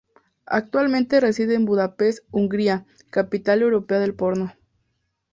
Actualmente reside en Budapest, Hungría, capital europea del Porno.